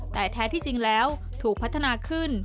แต่แท้ที่จริงแล้วถูกพัฒนาขึ้น